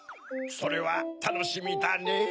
それはたのしみだねぇ。